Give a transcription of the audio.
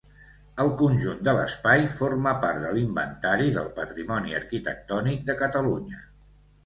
El conjunt de l'espai forma part de l'Inventari del Patrimoni Arquitectònic de Catalunya.